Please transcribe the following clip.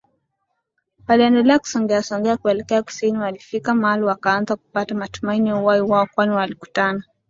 Waliendelea kusogeasogea kuelekea kusini Walifika mahali wakaanza kupata matumaini ya uhai wao kwani walikutana